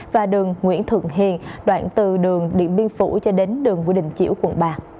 và đường nguyễn thượng hiền đoạn từ đường điện biên phủ cho đến đường vua đình chiểu quận ba